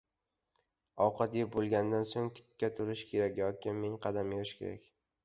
• Ovqat yeb bo‘lgandan so‘ng tikka turish kerak yoki ming qadam yurish kerak.